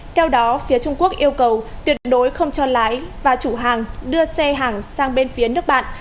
theo đó phía trung quốc yêu cầu tuyệt đối không cho lái và chủ hàng đưa xe hàng sang bên phía nước bạn